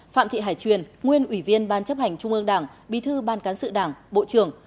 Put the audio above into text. phạm thị hải truyền nguyên ủy viên ban chấp hành trung ương đảng bí thư ban cán sự đảng bộ trưởng